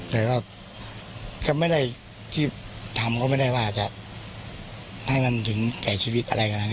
แต่ว่าก็ไม่ได้ที่ทำก็ไม่ได้ว่าจะให้มันถึงแก่ชีวิตอะไรขนาดนี้